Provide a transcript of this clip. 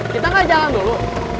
kita gak jalan dulu